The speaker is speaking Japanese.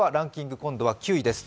今度は９位です。